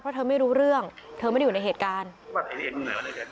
เพราะเธอไม่รู้เรื่องเธอไม่ได้อยู่ในเหตุการณ์